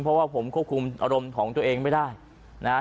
เพราะว่าผมควบคุมอารมณ์ของตัวเองไม่ได้นะ